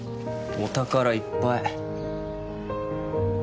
お宝いっぱい。